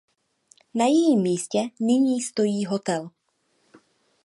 Na jejím místě nyní stojí hotel.